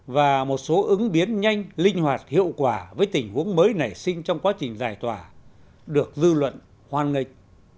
và một số ứng biến nhanh linh hoạt hiệu quả với tình huống mới nảy sinh trong quá trình giải tỏa được dư luận hoan nghênh